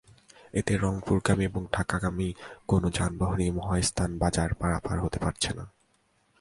এতে রংপুরগামী এবং ঢাকামুখী কোনো যানবাহনই মহাস্থান বাজার পারাপার হতে পারছে না।